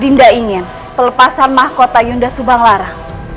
tidak ingin pelepasan mahkota yunda subang lara